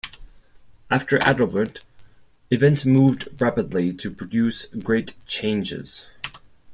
After Adalbert events moved rapidly to produce great changes.